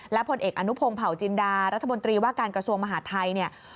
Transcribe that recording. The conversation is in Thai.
และผลเอกอนุพงศ์เผาจินดารัฐมนตรีว่าการกระทรวงมหาดไทยเนี่ย